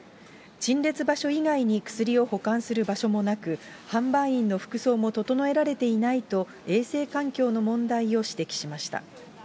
陳列場所以外に薬を保管する場所もなく、販売員の服装も整えられていないと、衛生環境の問題を指摘しました。